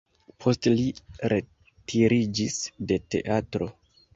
Poste li retiriĝis de teatro.